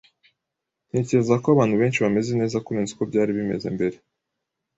Ntekereza ko abantu benshi bameze neza kurenza uko byari bimeze mbere.